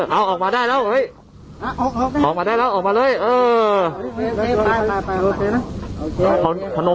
เอาออกมาได้แล้วเฮ้ยออกมาได้แล้วออกมาเลยเออ